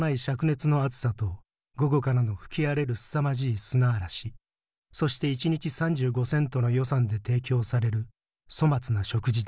灼熱の暑さと午後からの吹き荒れるすさまじい砂嵐そして一日３５セントの予算で提供される粗末な食事だけだ」。